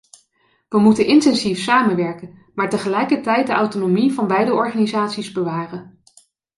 We moeten intensief samenwerken, maar tegelijkertijd de autonomie van beide organisaties bewaren.